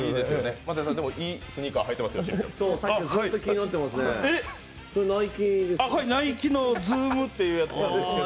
松也さん、いいスニーカー履いてますけど。